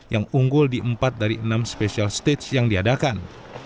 yang unggul di empat dari enam special stage yang diadakan